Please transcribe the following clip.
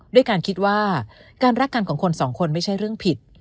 ด้วยการคิดว่าการรักกันของคนสองคนไม่ใช่เรื่องผิด